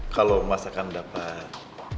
kalau mas akan dapat